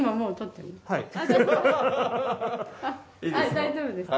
大丈夫です。